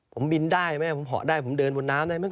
ผมบินได้ไหมผมเพาะได้ผมเดินบนน้ำได้ไหม